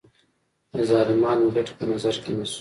د ظالمانو ګټې په نظر کې نیسو.